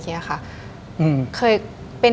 ดิงกระพวน